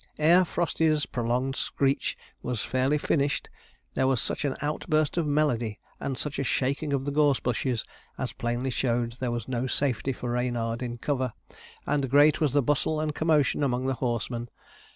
Ere Frosty's prolonged screech was fairly finished, there was such an outburst of melody, and such a shaking of the gorse bushes, as plainly showed there was no safety for Reynard in cover; and great was the bustle and commotion among the horsemen.